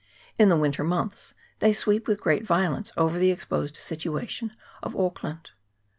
In the winter months they sweep with great violence over the exposed situation of Auckland.